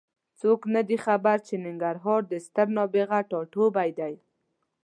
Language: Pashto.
هېڅوک نه دي خبر چې ننګرهار د ستر نابغه ټاټوبی دی.